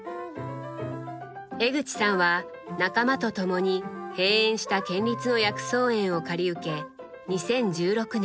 江口さんは仲間と共に閉園した県立の薬草園を借り受け２０１６年